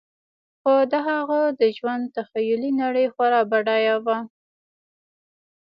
خو د هغه د ژوند تخیلي نړۍ خورا بډایه وه